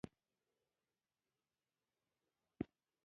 افغانستان کې ښارونه د خلکو د خوښې وړ ځای دی.